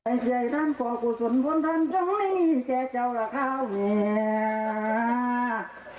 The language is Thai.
ใส่เสียทานป่อกุศลมนต์ทานจงนี้แช่เจ้าและข้าวเมีย